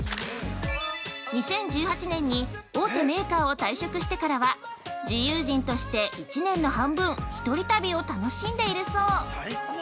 ２０１８年に大手メーカーを退職してからは自遊人として１年の半分一人旅を楽しんでいるそう。